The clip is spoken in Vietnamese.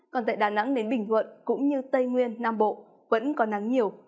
còn tại đà nẵng đến bình thuận cũng như tây nguyên nam bộ vẫn có nắng nhiều